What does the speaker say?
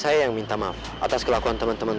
saya yang minta maaf atas kelakuan teman teman